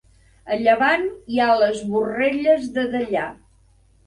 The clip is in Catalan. A llevant hi ha les Borrelles de Dellà.